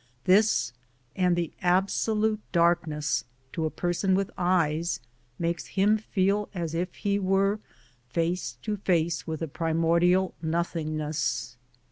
This, and the absolute darkness, to a person with eyes makes him feel as if he were face to face with the primordial nothingness.